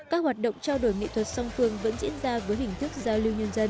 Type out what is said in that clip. các hoạt động trao đổi nghị thuật song phương vẫn diễn ra với hình thức giao lưu nhân dân